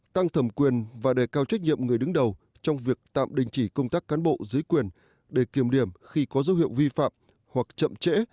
tăng thẩm quyền và đề cao trách nhiệm người đứng đầu trong việc tạm đình chỉ công tác cán bộ dưới quyền để kiểm điểm khi có dấu hiệu vi phạm hoặc chậm trễ